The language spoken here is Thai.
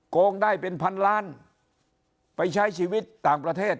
โกงได้เป็นพันล้านไปใช้ชีวิตต่างประเทศ